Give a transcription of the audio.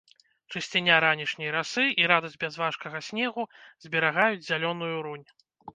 Чысціня ранішняй расы і радасць бязважкага снегу зберагаюць зялёную рунь.